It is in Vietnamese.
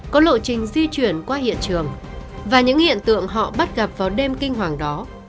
có lộ trình di chuyển qua hiện trường và những hiện tượng họ bắt gặp vào đêm kinh hoàng đó